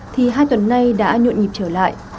thì hai tuần nay đã nhuận nhịp trở lại